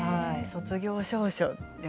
卒業証書。